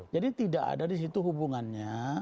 jadi tidak ada di situ hubungannya